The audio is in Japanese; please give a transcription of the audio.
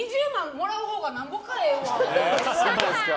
もらうほうがなんぼかええわ。